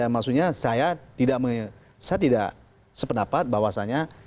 sebenarnya saya tidak sependapat bahwasanya